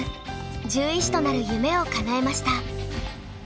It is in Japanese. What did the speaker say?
獣医師となる夢をかなえました。